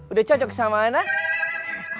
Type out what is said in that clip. udah cocok sama anak